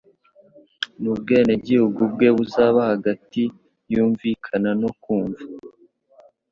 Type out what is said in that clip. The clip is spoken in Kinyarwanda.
n'ubwenegihugu bwe buzaba hagati yunvikana no kumva